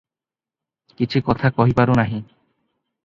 କିଛି କଥା କହିପାରୁ ନାହିଁ ।